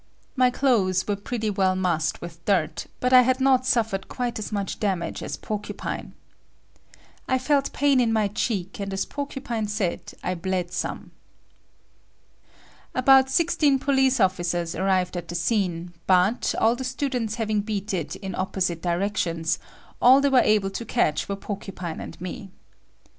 My clothes were pretty well massed with dirt, but I had not suffered quite as much damage as Porcupine. I felt pain in my cheek and as Porcupine said, it bled some. About sixteen police officers arrived at the scene but, all the students having beat it in opposite directions, all they were able to catch were Porcupine and me.